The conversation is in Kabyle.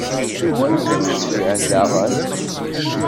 Iwala-tt Meẓyan, daɣen.